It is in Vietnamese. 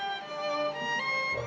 họ có quyền tự hào